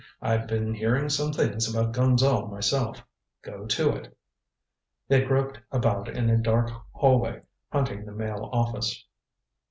I've been hearing some things about Gonzale myself. Go to it!" They groped about in a dark hallway hunting the Mail office.